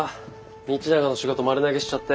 道永の仕事丸投げしちゃって。